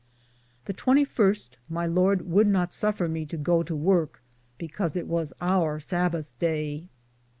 The 21, my Lord would not suffer me to goo to worke, because it was our Sabothe daye.